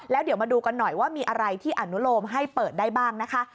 แล้วเดี๋ยวมาดูกันหน่อยว่ามีอะไรที่อนุโลมให้เปิดได้บ้างนะคะ